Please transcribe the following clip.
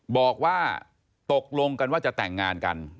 บอกว่าตกลงกันว่าจะแต่งงานกัน